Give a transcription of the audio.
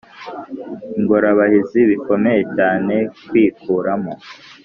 ingorabahizi: bikomeye cyane kwikuramo.